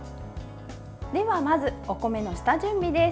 ではまず、お米の下準備です。